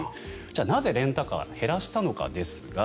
なぜレンタカーを減らしたのかですが